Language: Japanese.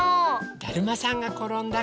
「だるまさんがころんだ」かな？